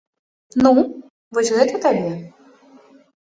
Ну, вось гэта табе!